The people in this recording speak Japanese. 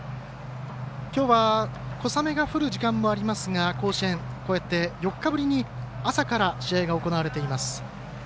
きょうは小雨が降る時間もありますが甲子園、こうやって４日ぶりに朝から試合が行われています。